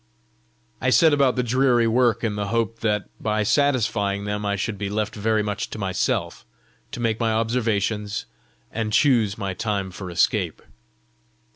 I set about the dreary work in the hope that by satisfying them I should be left very much to myself to make my observations and choose my time for escape.